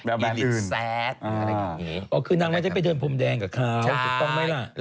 แบบอื่นแบบนี้อ๋อคือนางไม่ได้ไปเดินผมแดงกับขาวถูกต้องไหมล่ะ